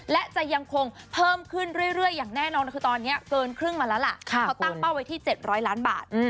และจะยังคงเพิ่มขึ้นเรื่อยอย่างแน่นอนคือตอนนี้เกินครึ่งมาแล้วล่ะเขาตั้งเป้าไว้ที่๗๐๐ล้านบาท